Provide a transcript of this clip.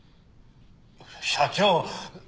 社長。